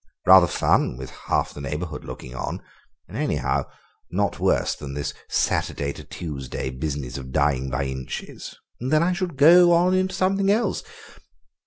"Rather fun with half the neighbourhood looking on, and anyhow not worse than this Saturday to Tuesday business of dying by inches; and then I should go on into something else.